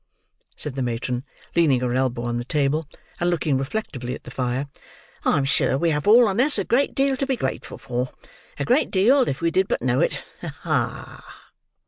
said the matron, leaning her elbow on the table, and looking reflectively at the fire; "I'm sure we have all on us a great deal to be grateful for! A great deal, if we did but know it. Ah!"